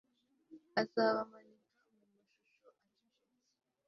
azabamanika mumashusho acecetse